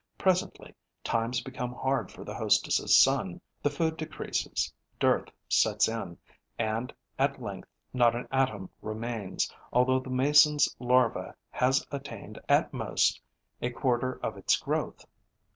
Presently, times become hard for the hostess' son; the food decreases, dearth sets in; and at length not an atom remains, although the Mason's larva has attained at most a quarter of its growth.